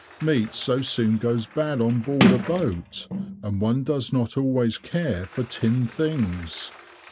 Meat so soon goes bad on board a boat, and one does not always care for tinned things.